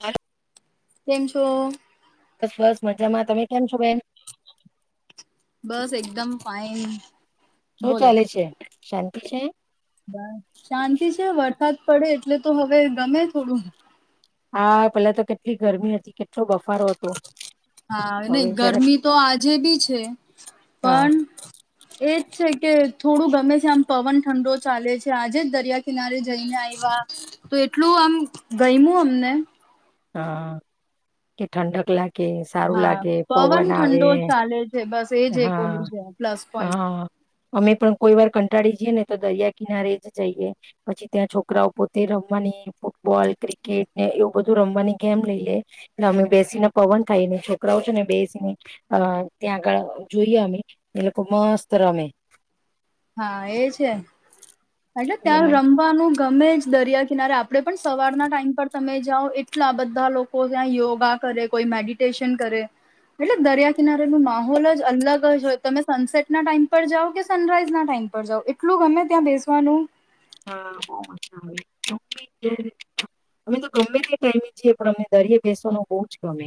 હાલો, [inaudible] કેમ છો બસ બસ મજામાં તમે કેમ છો બેન બસ એકદમ ફાઇન [unintelligible] શું ચાલે છે. શાંતિ છે. બસ શાંતિ છે વર સાદ પડે એટલે તો હવે ગમે થોડું હા પેલા તો કેટલી ગરમી હતી કેટલો બફ હા નય જરાક ગરમી તો આજે બી છે હા પણ એજ છે. કે થોડું ગમે છે આમ પવન ઠંડો ચાલે છે આજે જ દરિયા કિનારે જઈને આવ્યા તો એટલું આમ ગયમું અમને હા કે ઠંડક લા હા પવન ઠંડો ચાલે છે બસ એ જે હા કોલું પ્લસ પોઈન્ટ હા અમે પણ કોઈ વાર કંટાળી જઈએ ને તો દરિયા કિનારે જ જઈએ પછી ત્યાં છોકરાઓ પોતે રમવાની ફૂટબોલ ક્રિકેટ ને એવું બધું રમવાની ગેમ લઈ લે એટલે અમે બેસીને પવન ખાયે ને છોકરાઓ છે ને બેસીને અ ત્યાં ગળ જોઈ અમે એ લોકો મસ્ત રમે હા એ છે. એટલે ત્યાં રમવાનું ગમે જ દરિયા કિનારે આપડે પણ સવારના ટાઈમ પર તમે જાઓ એટલા બધા લોકો ત્યાં યોગા કરે કોઈ મેડિટેશન કરે એટલે દરિયા કિનારેનો માહોલ જ અલગ જ હોય તમે સનસેટના ટાઈમ પર જાઓ કે સનરાઈઝ ના ટાઈમ પર જાઓ એટલું ગમે ત્યાં બેસ સવાનું. હા અમે તો ગમે તે ટાઈમી છીએ પણ અને દરયે બેસવાનું બોવ જ ગમે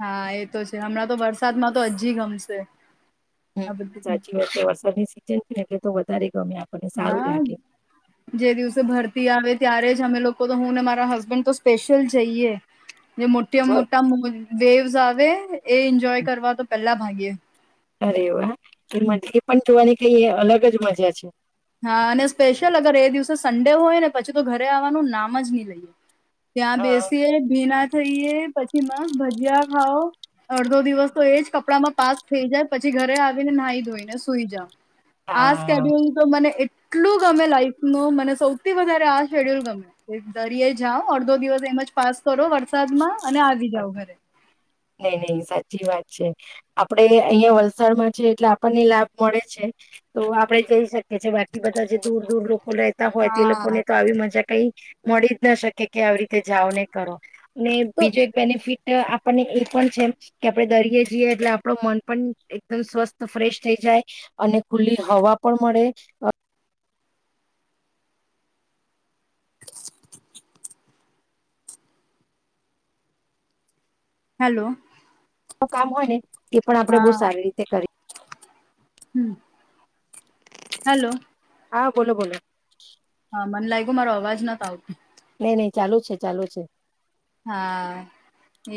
હા એ તો છે હમણાં તો વરસાદમાં તો હજી ગમશે હ આ બધું સાચી વાત છે વરસાદની સીઝન એટલે તો વધારે ગમે આપણને સારું હા લાગે જે દિવસે ભરતી આવે ત્યારે જ અમે લોકો તો હું ને મારા હસબેન્ડ તો સ્પેશિયલ જઈએ. જે મોટા મોટા વેવસ આવે એ એન્જોય કરવા તો પેલા ભાગીએ. અરે એ વા એ મજ પણ જોવાની કઈ અલગ જ મજા છે. હા અને સ્પેશિયલ અગર એ દિવસે સન્ડે હોય ને પછી તો ઘરે આવવાનું નામ જ નહી લઈએ. ત્યાં હા બેસીએ ભીના થઈયે પછી મસ ભજીયા ખાાવ અડધો દિવસ તો એજ કપડામાં પાસ થઈ જાય પછી ઘરે આવીને નાહી ધોઈને સુઈ જાવ. આજ હા. કઢ અને એટલું ગમે લાઈફ ન મને સૌથી વધારે આ શેડ્યુલ ગમે દરયે જાઓ અડધો દિવસ એમ જ પાસ કરો વરસાદમાં અને આવી જાવ ઘરે. નહી નહી સાચી વાત. છે આપડે અહિયાં વલસાડમાં છે એટલે આપણને લાભ મળે છે તો આપડે જઈ શકીએ. કે જે બાકી બધા જે દૂર દૂર લોકો રેતા હોય તે લોકો હા. ને તો આવી મજા કઈ મળી જ ના શકે કે આવી રીતે જાઓ ને કરો. ને તો બીજે ટ આપણને એ પણ છે કે આપણે દરિય જઈએ એટલે આપડ મન પણ એકદમ સ્વસ્થ ફ્રેશ થઈ જાય અને ખુલ્લી હવા પણ મળે. હેલો. તો કામ હોયને. એ પણ આપણેે બહુ હા સારી રીતે કરી હ હલો. હા બોલો બોલો. હા મને લાગ્યું મારો અવાજ નથી આવતો. નહી નહી ચાલુ છે ચાલુ છે. હા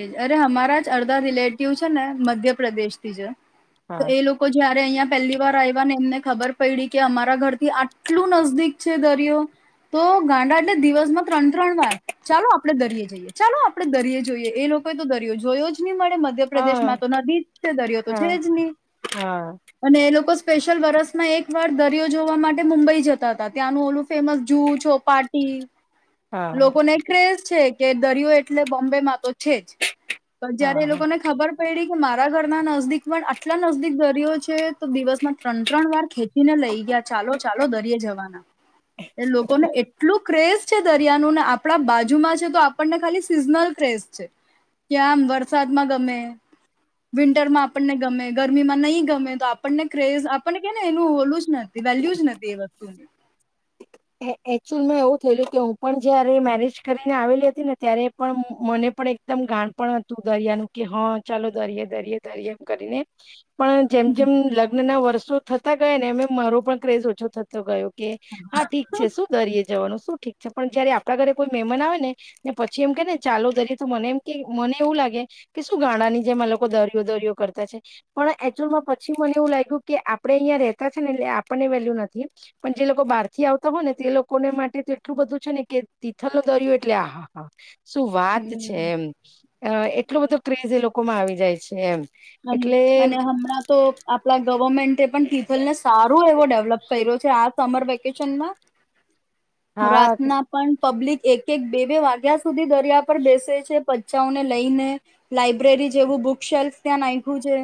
એજ અરે અમારા જ અડધા રિલેટિવ છે ને મધ્યપ્રદેશ થી જ તો હા એ લોકો જે અહં પહેલી વાર આવ્યા ને એમને ખબર પડી કે અમારા ઘર થી આટલું નજદીક છે દરિયો તો ગાંડા એટલે દિવસમાં ત્રણ ત્રણ વાર ચાલો આપડે દરિયે જઈએ. ચાલો આપણે દરયે જોઈએ એ લોકોએ તો દરિયો જોયો જ નહીં મળે. મધ્યપ્રદેશ હા માં તો નદી દરિયો તો હા હા છે જ નહી હા અને એ લોકો સ્પેશિયલ વરસમાં એક વાર દરિયો જોવા માટે મુંબઈ જતા હતા ત્યાંનું ઓલું ફેમસ જૂ છોપાર્ટ હા લોકો ને ક્રેઝ છે. કે દરિયો એટલે બોમ્બે માં તો છે જ પણ જયારે હા એ લોકોને ખબર પેડી કે મારા ઘરના નજદીક પણ આટલા નજદીક દરિયો છે તો દિવસમાં ત્રણ ત્રણ વાર ખેંચી ને લઈ ગયા ચાલો ચાલો દરિય જવાના. એ લોકોને એટલું ક્રેઝ છે દરિયાનું ને આપણા બાજુમાં છે તો આપણને ખાલી સીઝનલ ક્રેઝ છે કે આમ વરસાદમાં ગમે વિન્ટરમાં આપણને ગમે ગરમીમાં નહી ગમે તો આપણને ક્રેઝ આપણને કે ને એનું ઓલું જ નથી વેલ્યુ જ નથી એ વસ્તુ એકચુઅલમાં એવું થયેલું કે હું પણ જયારે મેરેજ કરીને આવેલી હતી ને ત્યારે પણ મને પણ એકદમ ગાણ પણ હતું દરિયાનું કે હા ચાલો દરયે દરિયે દરયે એમ કરીને પણ જેમ જેમ લગ્ન ના વર્ષો શ થતા ગયા ને એમે મારો પણ ક્રેઝ ઓછો થતો ગયો. કે હા ઠીક છે, શું [unintelligible] જવાનું શું ઠીક છે, પણ જયારે આપણા ઘરે કોઈ મહેમાન આવે ને ને પછી એમ કે ને ચાલો દરય તો મને એમ કે મને એવું લાગે કે શું ગાડા ની જેમાં લોકો દરિયો દરિયો કરતા છે, પણ એચુઅલમાં પછી મને એવું લાગ્યું કે આપડે અહં રેતા છે, ને એટલે આપણને વેલ્યુ નથી પણ જે લોકો બાર થી આવતા હોય ને તે લોકોને માટે તો એટલું બધું છે, ને કે તિથલ ન દરિયો એટલે આ હા હા. શું વાત છે, હમ એમ. અ એટલો બધો ક્રેઝ એ લોકોમાં આવી જાય છે, એમ. એટલે [unintelligible] હમણાં તો આપડા. ગવર્મેન્ટે પણ તિથલને સારો એવો ડેવલપ કર્યો છે. આ સમર વેકેશનમાં હા કે રાતના પણ પબ્લિક એક એક બે બે વાગ્યા સુધી દરિયા પર બેસે છે, બચ્ચાઓને લઈને લાઈબ્રેરી જેવું બુક શેલ્ફ. ત્યાં નાખખ્યું છે.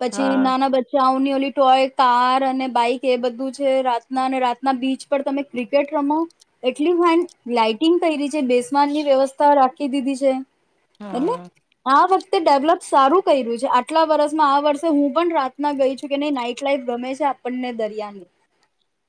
પછી હા નાના બચ્ચા આવ [unintelligible] કાર અને બાઈક એ બધું છે, રાતના રાતના બીચ પર તમે ક્રિકેટ રમો એટલી ફન લટિંગ કરી [unintelligible] ની વ્યવસ્થા રાખ કે દીદી છે. એલે હા આ તે ડેવલપ સારું કર્યું છે, આટલા વર્ષમાં આ વર્ષે હું પણ રાતના ગઈ છું કે નહી નાઈટ લાઈફ [unintelligible] છે, આપણને દરિયાની.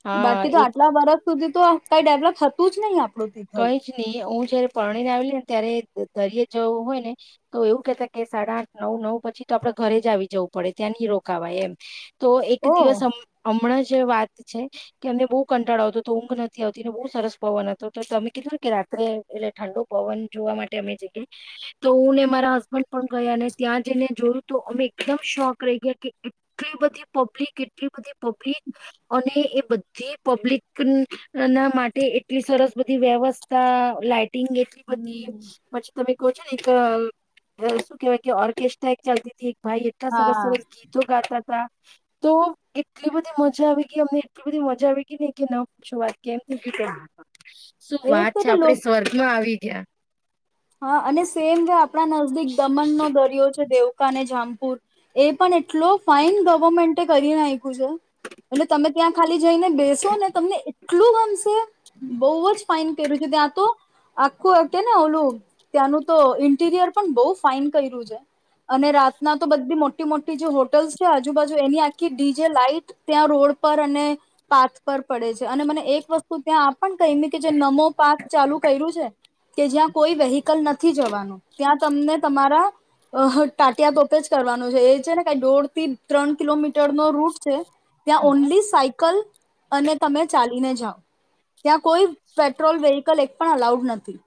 હા બાકી તો એક આટલા વર્ષ. સુધી તો કઈ ડેવલપ થતું જ નહી આપ કઈ જ નહી હું જયારે પરણીને આવલી ને ત્યારે દરિે જવું હોય ને તો એવું કેતા કે સાડા આઠ નવ નવ પછી તો આપડે ઘરે જ આવી જવું પડે ત્યાં નહી રોકાવાય એમ. તો એક ઓ દિવસ [unintelligible] જ જે વાત છે, કે એમને બહુ કંટાળો આવતો તો ઊંઘ નથી આવતી ને બહુ સરસ પવન હતો. તો તમે કીધુંને કે રાત્રે એટલે ઠંડો પવન જોવા માટે અમે જઈ ગયા તો હું ને મારા હસબન્ડ પણ ગયા અનેને ત્યાં જઈને જોયું તો અમે એકદમ શોખ રહી ગયા કે એટલી બધી પબ્લિક એટલી બધી પબ્લિક અને એ બધી પબ્લિક ના માટે એટલી સરસ બધી વ્યવસ્થા લાઈટ ટિંગ એટલી બધી પછી તમે [unintelligible] એક શું કેહેવાય કે ઓર્કેસ્ટ્રા એક ચાલતી થી. ભાઈ એટલા સરસ હા સરસ ગીતો ગાતા તો એટલી બધી મજા આવી ગઈ અમને એટલી બધી મજા આવી ગઈ ને કે ન શું વાત કેમ શું એ વાત તો છે, એટલે આપડે લોકો સ્વર્ગમાં આવી [inaudible] હા અને સેમ વે આપણા નજદીક દમણનો દરિયો [unintelligible] જામપુર એ પણ એટલો ફાાઈન ગવર્મેન્ટ કરી નાખ એટલે તમે ત્યાં ખાલી જઈને બેસો ને તમને આટલું ગમશે બઉ જ ફાાઈન કર્યું છે ત્યાં તો આખું કેને ઓલું ત્યાંનું તો ઇન્ટીરિયર પણ બહુ ફાાઈન કર્યું છે અને રાતના તો બધી મોટી મોટી જે હોટલ્સ છે આજુબાજુ એની આખી ડી જેે લાાઈટ ત્યાં રોડ પર અને પાથ પર પડે છે અને મને એક વસ્તુ ત્યાં ક જે નમો પા્ક ચાલુ કર્યું છે કે જ્યાં કોઈ વ લ નથી જવાનું ત્યાં તમને તમારા ટાટિયા ટપે જ કરવાનું છે એ છે ને કઈ દોઢ થી ત્રણ કિલોમીટર નો રૂટ છે. ત્યાં હમ હમ. ઓનલી સાયકલ અને તમે ચાલીને જાઓ ત્યાં કોઈ પેટ્રોલ વેહકલ એક પણ અલાઉડ નથી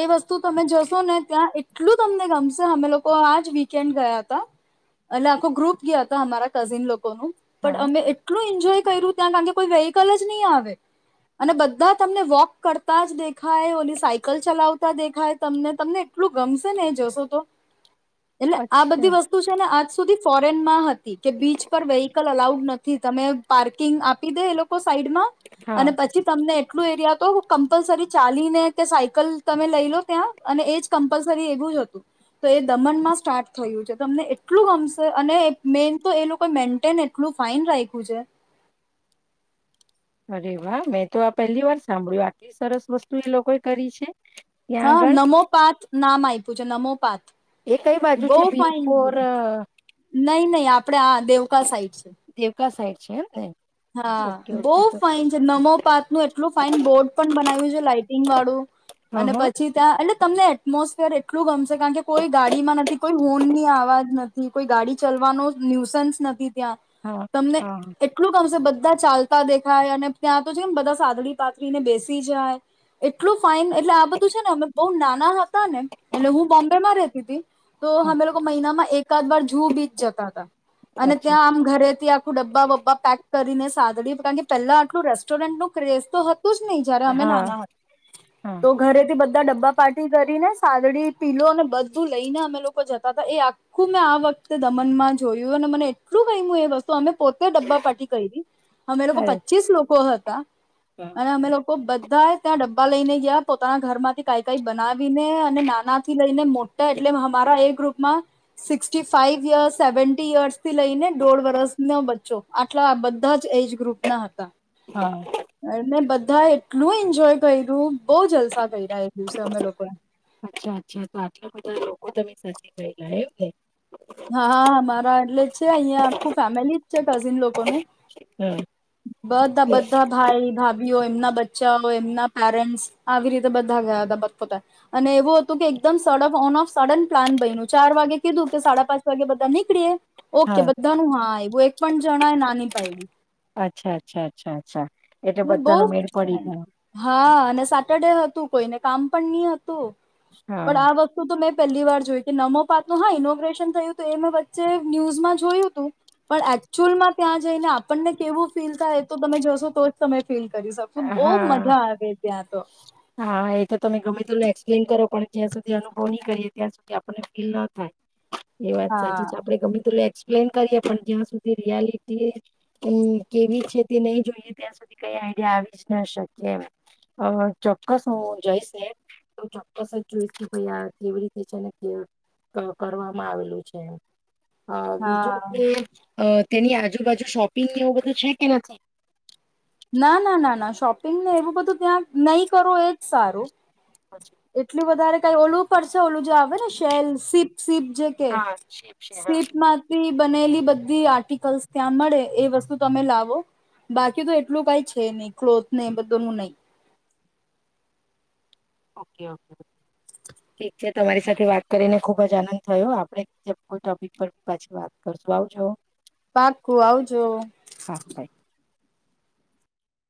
એ વસ્તુ તમે જશો ને ત્યાં એટલું તમને ગમશે અમે લોકો આ જ વીકેન્ડ ગયા હતા એટલે આખો ગ્રુપ ગયા હતા અમારા કઝિન લોકો પણ હા અમે એટલું એન્જોય કર્યું ત્યાં કો વેહીકલ જ નહીં આવે અને બધા તમને વોક કરતા જ દેખાય ઓની સાયકલ ચલાવતા દેખાય. ખાય તમને તમને એટલું ગમશે ને એ જશો તો. એટલે આ અચ્છા બધી વસ્તુ છે ને આજ સુધી ફોરેનમાં હતા. કે બીચ પર વેહીકલ અલાઉ નથી તમે પાર્કિંગ આપી દે એ લોકો સાઈડમાં હા અને પછી તમને લું એરિયા તો કમ્પલસરી ચાલીને કે સાયકલ તમે લઈ લો. ત્યાં અને એજ કમ્પલસરી એવું જ હતું તો એ દમનમાં સ્ટાર્ટ થયું છે તમને એટલું ગમશે અને મેન તો એ લોકો મેન્ટેન એટલું ફાઈન રાખ્યું છે અરે વાહ મેં તો આ પહેલી વાર સાંભળ્યું આટલી સરસ વસ્તુ એ લોકોએ કરી છે. ત્યાં હા આગળ. નમો પાત નામ આ તજું નમો પા એ કઈ બાજુ છે ભીમપોર. નઈ નહી આપડે આ દેવકા સાઈડ છે. છેને. હા બહુ ફાઇન છે નમો પાત નું એટલું ફાાઈન બોર્ડ પણ બનાવ્યું છે લાાઈટિંગ વાળું અને હા, પછી ત્યાં એટલે તમને એટમોસફિર એટલું ગમશે કારણ કે કોઈ ગાડીમાં નથી કોઈ હોર્ન ની અવાજ નથી કોઈ ગાડી ચલવાનો ન્યુસન્સ નથી. ત્યાં હા, તમને હા, હા, એટલું બધા ચાલતા દેખાય અને ત્યાં તો જેમ બધા સાદડી પાથળીને બેસી જાય એટલું ફાાઈન એટલે આ બધું છે ને અ બહુ નાના હતા. ને એટલે હું બોમ્બેમાં રે. [unintelligible] તો હા, હમે લોકો મહિનામાં એક એકાદ વાર જુ બીજ જતા હતા. અને અચ્છા. ત્યાં આમ ઘરેથી આખું ડબ્બા વબ્બા પેક સાદડી કારણ કે પેલા આટલું રેસ્ટોરન્ટ નું ક્રેઝ તો હત જ નહી જયારે અમે હા, નાના હતા હા, તો ઘરેથી બધા બધા ડબ્બા પાાટી કરીને સાદડી પીલો અને બધું લઈને અમે લોકો જતા હતા એ આખું મેં આ વખતે દમનમાં જોયું અને મને એટલું કઈ એ વસ્તુ મે પોતે ડબ્બા પાઠી હ મે લોકો કો અરે પચીસ લોકો કહ હતા વાહ! અને અમે લોકો બધા બધા ત્યાં ડબ્બા લઈને ગયા પોતાના ઘરમાંથી કઈ કઈ બનાવીને અને નાના થી લઈને મોટા એટલે અમારા એ ગ્રુપમાં સિક્ ફાઈવ યર્સ સેવી યર્સ થી લઈને દોઢ વર્ષ ન બચ્ચો- એટલા આ બધા જ એજ ગ્રુપ ના હતા. હા, એને બધા બધા એટલું એન્જોય કર્યું. બહુ જલસા કરી રહલું છે અમે લોકોએ સાચ ભાઈ ગ્યું છે [unintelligible] હા અમારા એટલે છે અહિયાં આખું ફેમિલી જ છે કઝિન લોકોનું હા, બધા એ- બધા ભાઈ ભાભી એમના બચ્ચા એમના પેરેન્ટ્સ આવી રીતે બધા ગયા હતાપતા અને એવું હતું કે એકદમ સ ઓન ઓફ સડન પ્લાન બનું ચાર વાગે કીધું કે સાડા પાંચ વાગે બધા નીકળી ઓકે હા, બધાનું હા એવું એક પણ જણાય નાની પાયડી અચ્છા, અચ્છા, અચ્છા, અચ્છા એટલે બહૂ બધાનો મેળ પડી ગયો. હા અને સેટરડે હતું કોઈને કામ પણ નહીત. પણ હા, આ વસ્તુ તો મેં પહેલી વાર જોયું કે નમો પાત નું હા ઇનોગ્રેશન થયું હતું એ મેં વચ્ચે ન્યુઝમાં જોયું હતું પણ એકચુઅલમાં ત્યાં જઈને આપણને કેવું ફીલ થાય તો તમે જશો તો જ સમય હા ત્યાં તો હા એ તો તમે ગમે તું એક્સપ્લેન કરો પણ જ્યાં સુધી અનુભવ નહી કરીએ ત્યાં સુધી આપને ફીલ ના થાય એ વાત હા સાચી છે આપડે ગમે તું એન કરીએ પણ જ્યાં સુધી રિયાલિટી કે કેવી છે તે નહી જોઈએ ત્યાં સુધી ક આવી જ ન શકે એમ અ ચોક્કસ હું જઈશ તો ચોક્કસ જ જોઈશ ભાઈ આ કેવી રીતે છેને કે કરવામાં આવેલું છે અ બીજું હા કે અ તેની આજુબાજુ શોપિંગ એવું બધું છે કે નથી ના ના ના ના શોપિંગ ને એવું બધું ત્યાં નહી કરો એજ સારું એટલી વધારે કઈ ઓલું પડશે ઓલું જે આવે ને શેલ સીપ સીપ જે કે હા છે છે હા સીપ માંથી બનેલી બધી આર્ટિકલ્ ત્યાં મળે એ વસ્તુ તમે લાવો બાકી તો એટલું કઈ છે નહી ક્લોથ ને એ બધ નું નહી ઓકે ઓકે ઠીક છે તમારી સાથે વાત કરીને ખુબ જ આનંદ થયો આપડે કોઈ ટોપિક પર પાછી વાત કરશું આવજો પાકુ આવજો હા